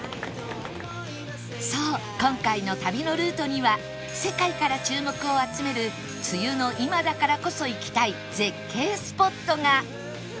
そう今回の旅のルートには世界から注目を集める梅雨の今だからこそ行きたい絶景スポットが